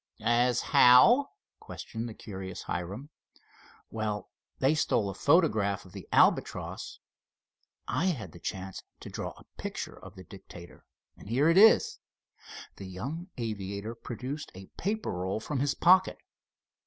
"As how?" questioned the curious Hiram. "Well, they stole a photograph of the Albatross. I had the chance to draw a picture of the Dictator, and here it is." The young aviator produced a paper roll from his pocket.